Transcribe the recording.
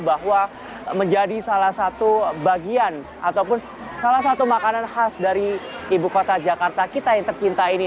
bahwa menjadi salah satu bagian ataupun salah satu makanan khas dari ibu kota jakarta kita yang tercinta ini